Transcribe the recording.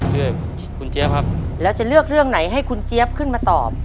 เลือกคุณเจี๊ยบครับแล้วจะเลือกเรื่องไหนให้คุณเจี๊ยบขึ้นมาตอบ